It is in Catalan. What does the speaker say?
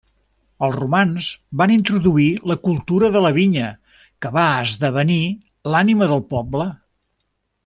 Els Romans van introduir la cultura de la vinya que va esdevenir l'ànima del poble.